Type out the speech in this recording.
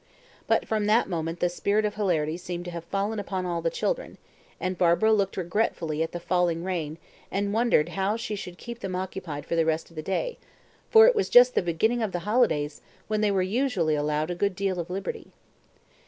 But from that moment the spirit of hilarity seemed to have fallen upon all the children, and Barbara looked regretfully at the falling rain and wondered how she should keep them occupied for the rest of the day for it was just the beginning of the holidays, when they were usually allowed a good deal of liberty.